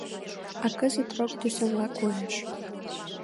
А кызыт рок тӱсанла коеш.